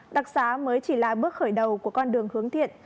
đặc xá mới chỉ là bước khởi đầu của con đường hướng thiện